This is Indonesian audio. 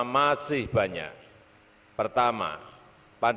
hormat senjata rakyat